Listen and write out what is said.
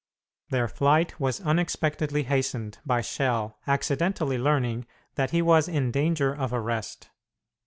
Their flight was unexpectedly hastened by Schell accidentally learning that he was in danger of arrest.